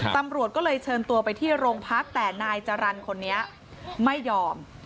ตำรวจก็เลยเชิญตัวไปที่โรงพักแต่นายจรรย์คนนี้ไม่ยอม